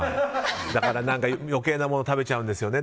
だから余計なもの食べちゃうんですよね。